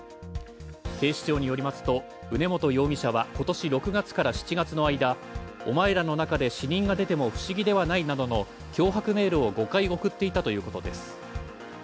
警視庁によりますと宇根元容疑者は今年６月から７月の間「お前らの中で死人が出ても不思議ではない！」などの脅迫メールを５回送っていたということです。